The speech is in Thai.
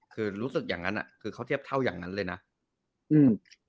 คือรู้สึกอย่างนั้นอ่ะคือเขาเทียบเท่าอย่างนั้นเลยนะอืม